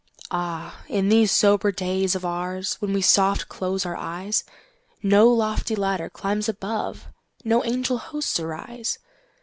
Ah, in these sober days of oursWhen we soft close our eyes, No lofty ladder climbs above, No angel hosts arise.